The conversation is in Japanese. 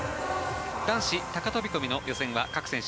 男子高飛込の予選は各選手